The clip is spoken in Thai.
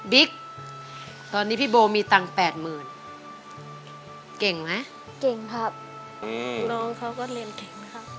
ตอนนี้พี่โบมีตังค์แปดหมื่นเก่งไหมเก่งครับน้องเขาก็เรียนเก่งนะครับ